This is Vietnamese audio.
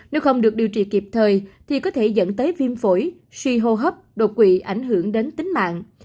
nếu không được điều trị kịp thời thì có thể dẫn tới viêm phổi suy hô hấp đột quỵ ảnh hưởng đến tính mạng